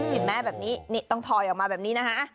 เห็นไหมแบบนี้นี่ต้องถอยออกมาแบบนี้นะคะ